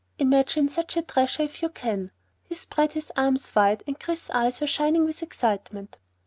Imagine such a treasure if you can!" He spread his arms wide and Chris's eyes were shining with excitement.